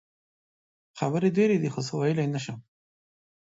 خبرې ډېرې دي خو څه ویلې نه شم.